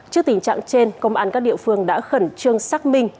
trước tình trạng trên công an các địa phương đã khẩn trương xác minh